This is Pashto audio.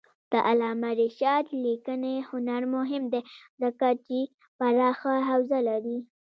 د علامه رشاد لیکنی هنر مهم دی ځکه چې پراخه حوزه لري.